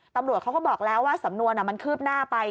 ตำรวจเขาก็บอกแล้วว่าสำนวนมันคืบหน้าไป